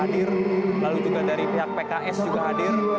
dan juga dari pihak pks juga hadir